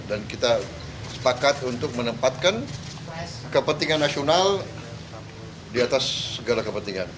dan kita sepakat untuk menempatkan kepentingan nasional di atas segala kepentingan